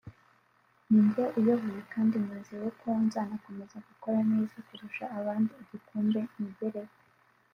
ni njye uyoboye kandi nizeye ko nzanakomeza gukora neza kurusha abandi igikombe nkigereho